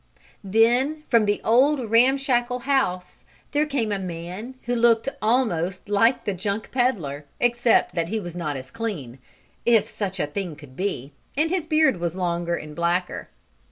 Then from the old, ramshackle house there came a man who looked almost like the junk peddler, except that he was not as clean, if such a thing could be, and his beard was longer and blacker.